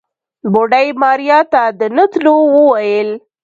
بوډۍ ماريا ته د نه تلو وويل.